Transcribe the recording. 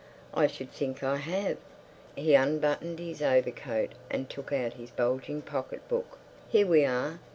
"I should think I have!" He unbuttoned his overcoat and took out his bulging pocket book. "Here we are!